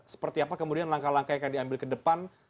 seperti apa kemudian langkah langkah yang akan diambil ke depan